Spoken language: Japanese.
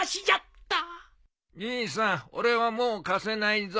じいさん俺はもう貸せないぞ。